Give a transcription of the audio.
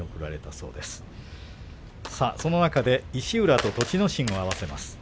その中で石浦と栃ノ心を合わせます。